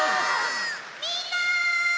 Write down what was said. みんな！